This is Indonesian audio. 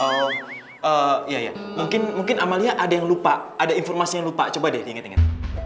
oh iya ya mungkin amalia ada yang lupa ada informasi yang lupa coba deh diingat ingat